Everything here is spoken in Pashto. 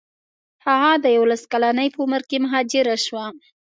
هغه د یوولس کلنۍ په عمر کې مهاجره شوه.